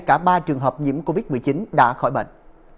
cả ba trường hợp nhiễm covid một mươi chín đã khỏi bệnh